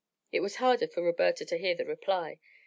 It was harder for Roberta to hear the reply.